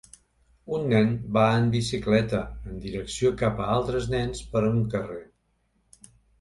Un nen va en bicicleta en direcció cap a altres nens per un carrer.